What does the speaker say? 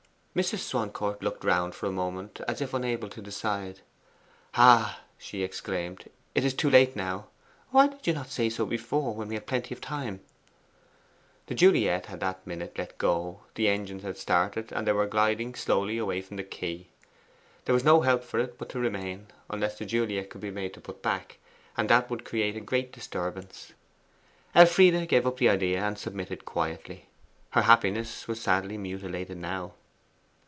Mrs. Swancourt looked around for a moment, as if unable to decide. 'Ah,' she exclaimed, 'it is too late now. Why did not you say so before, when we had plenty of time?' The Juliet had at that minute let go, the engines had started, and they were gliding slowly away from the quay. There was no help for it but to remain, unless the Juliet could be made to put back, and that would create a great disturbance. Elfride gave up the idea and submitted quietly. Her happiness was sadly mutilated now.